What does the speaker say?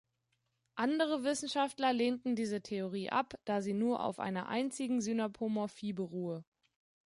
Andere Wissenschaftler lehnten diese Theorie ab, da sie nur auf einer einzigen Synapomorphie beruhe.